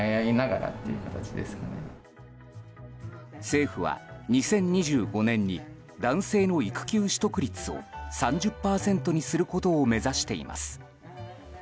政府は、２０２５年に男性の育休取得率を３０％にすることを目指しています。